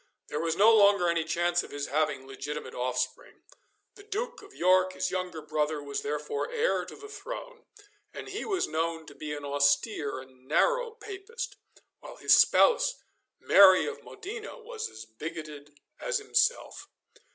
There was no longer any chance of his having legitimate offspring. The Duke of York, his younger brother, was therefore heir to the throne, and he was known to be an austere and narrow Papist, while his spouse, Mary of Modena, was as bigoted as himself.